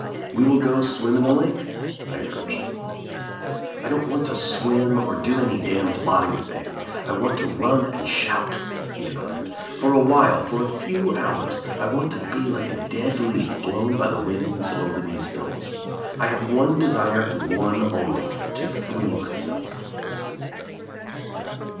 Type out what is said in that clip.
"We will go swim in the lake," I urged. "I don't want to swim or do any damn plodding thing. I want to run and shout," he declared. "For awhile, for a few hours, I want to be like a dead leaf blown by the winds over these hills. I have one de sire and one only — to free myself."